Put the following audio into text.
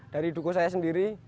dari duku saya sendiri